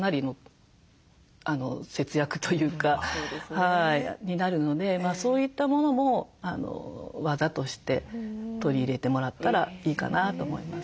はいになるのでそういったものも技として取り入れてもらったらいいかなと思います。